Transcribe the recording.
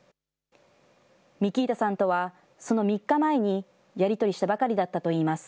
ミキータさんとは、その３日前にやり取りしたばかりだったといいます。